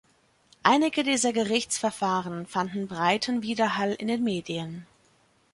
Einige dieser Gerichtsverfahren fanden breiten Widerhall in den Medien.